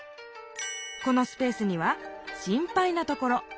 このスペースには「心配なところ」。